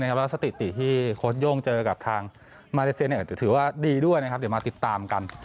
แล้วสถิติที่โค้ชโย่งเจอกับทางมาเลเซียถือว่าดีด้วยนะครับเดี๋ยวมาติดตามกัน